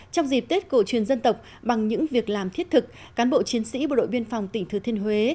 trong dịp tết cổ truyền dân tộc bằng những việc làm thiết thực cán bộ chiến sĩ bộ đội biên phòng tỉnh thừa thiên huế